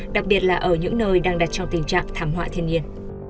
đặc biệt là ở những nơi đang đặt trong tình trạng thảm họa thiên nhiên